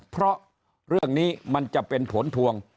เพราะเรื่องนี้มันจะเป็นผลพวง